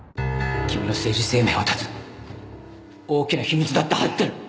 君の政治生命を断つ大きな秘密だって入ってる。